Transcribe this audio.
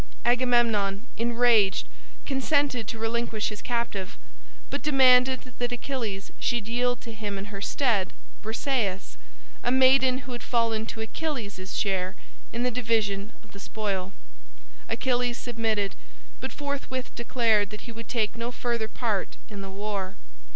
Agamemnon, enraged, consented to relinquish his captive, but demanded that Achilles should yield to him in her stead Briseis, a maiden who had fallen to Achilles' share in the division of the spoil. Achilles submitted, but forthwith declared that he would take no further part in the war.